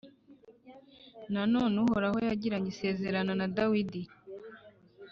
Nanone Uhoraho yagiranye isezerano na Dawudi,